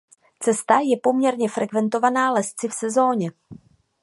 Cesta je poměrně frekventovaná lezci v sezóně.